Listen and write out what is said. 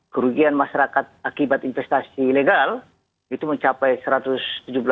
kerugian masyarakat akibat investasi ilegal itu mencapai seratus